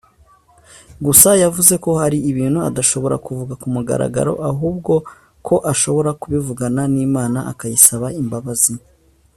gusa yavuze ko hari ibintu adashobora kuvuga ku mugaragaro ahubwo ko ashobora kubivugana n’Imana akanayisaba imbabazi